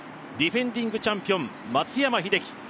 ディフェンディングチャンピオン松山英樹。